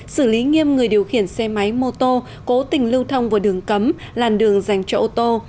xử lý nghiêm người điều khiển xe máy mô tô cố tình lưu thông vào đường cấm làn đường dành cho ô tô